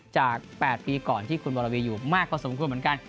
จาก๘ปีก่อนที่คุณวรวีอยู่มากพอสมควรเหมือนกัน